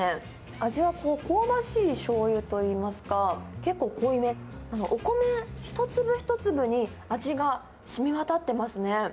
味は香ばしいしょうゆといいますか、結構濃いめ、お米一粒一粒に味がしみわたってますね。